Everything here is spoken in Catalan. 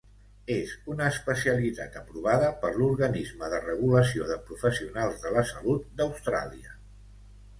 És una especialitat aprovada per l'organisme de regulació de professionals de la salut d'Austràlia.